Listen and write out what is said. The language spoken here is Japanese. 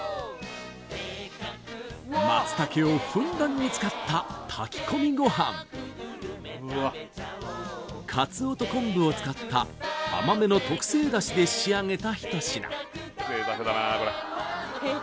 松茸をふんだんに使った炊き込みごはんカツオと昆布を使った甘めの特製ダシで仕上げた一品